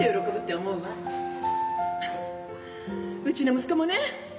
うちの息子もね